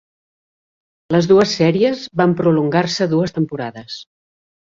Les dues sèries van prolongar-se dues temporades.